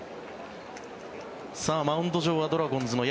マウンド上はドラゴンズの柳。